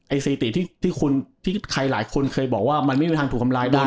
สถิติที่ใครหลายคนเคยบอกว่ามันไม่มีทางถูกทำร้ายได้